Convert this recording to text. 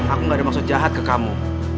aku gak ada maksud jahat ke kamu